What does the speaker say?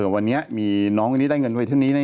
วันนี้มีน้องคนนี้ได้เงินไว้เท่านี้นะ